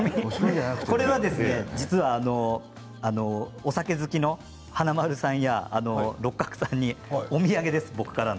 実はお酒好きの華丸さんや六角さんにお土産です僕から。